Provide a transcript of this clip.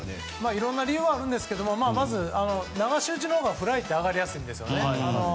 いろんな理由はあるんですけども流し打ちのほうがフライって上がりやすいんですね。